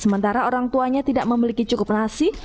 sementara orang tuanya tidak memiliki cukup nasi